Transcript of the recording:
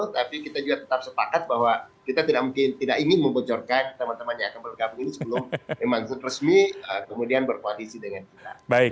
tapi kita juga tetap sepakat bahwa kita tidak ingin membocorkan teman teman yang akan bergabung ini sebelum memang resmi kemudian berkoalisi dengan kita